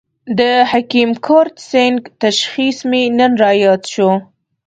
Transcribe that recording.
د حکیم کرت سېنګ تشخیص مې نن را ياد شو.